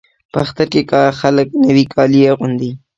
په اختر کې خلک نوي کالي اغوندي.